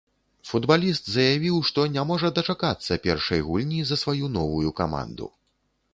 Футбаліст заявіў, што не можа дачакацца першай гульні за сваю новую каманду.